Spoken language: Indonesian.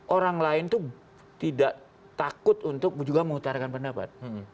orang lain itu tidak takut untuk juga mengutarakan pendapat